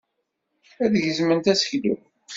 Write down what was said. Ad gezment aseklu.